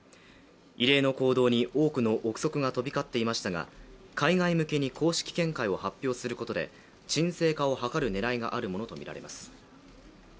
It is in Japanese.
異例の行動に多くの憶測が飛び交っていましたが海外向けに公式見解を発表することで沈静化を図る狙いがあるものとみられます。